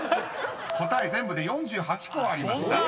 ［答え全部で４８個ありました］